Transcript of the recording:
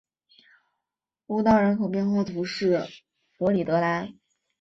乌当人口变化图示弗里德兰